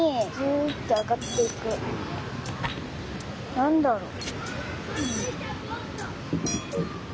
なんだろう？